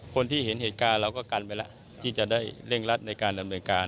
คนที่เห็นเหตุการณ์เราก็กันไปแล้วที่จะได้เร่งรัดในการดำเนินการ